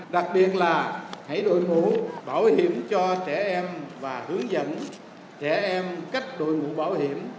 đặc biệt là hãy đội mũ bảo hiểm cho trẻ em và hướng dẫn trẻ em cách đội ngũ bảo hiểm